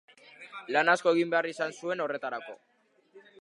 Lan asko egin behar izan zuen horretarako.